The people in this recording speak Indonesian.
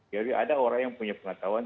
jadi ada orang yang punya pengetahuan